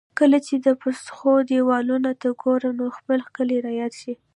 کله چې د پسخو دېوالونو ته ګورم، نو خپل کلی را یادېږي.